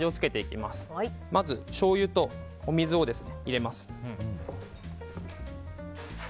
まず、しょうゆとお水を入れます。